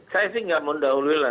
saya sih nggak mau dahululah